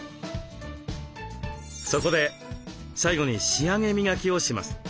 そこで最後に仕上げ磨きをします。